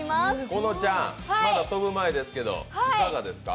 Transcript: このちゃん、まだ飛ぶ前ですけど、いかがですか？